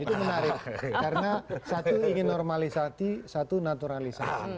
itu menarik karena satu ingin normalisasi satu naturalisasi